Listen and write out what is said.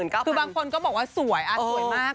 คือบางคนก็บอกว่าสวยสวยมาก